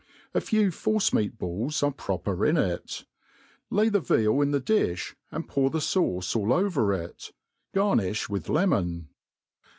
A few force meat balls are proper in it. Lay the veal in the di(b, and pour the faiiceall pver it. Garnifb with lemon.